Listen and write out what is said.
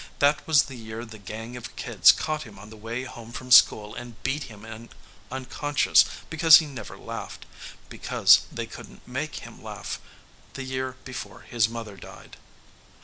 That was the year the gang of kids caught him on the way home from school and beat him unconscious because he never laughed; because they couldn't make him laugh. The year before his mother died.